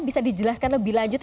bisa dijelaskan lebih lanjut